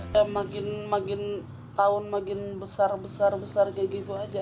ya makin tahun makin besar besar kayak gitu aja